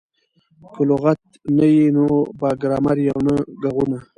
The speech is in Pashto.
که لغت نه يي؛ نه به ګرامر يي او نه ږغونه.